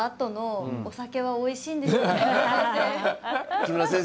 木村先生